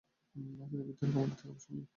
তিনি বিদ্রোহী কমান্ডার থেকে অবসর নেন।